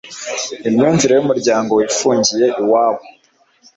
imyumvire y'umuryango wifungiye iwawo